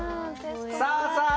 さあさあ